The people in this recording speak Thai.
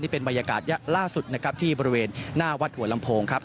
เป็นบรรยากาศล่าสุดนะครับที่บริเวณหน้าวัดหัวลำโพงครับ